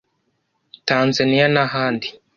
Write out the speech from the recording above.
Tanzaniya n’ahandi